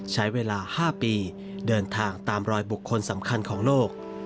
ใช้เวลา๕ปีเดินทางตามรอยบุคคลสำคัญของโลก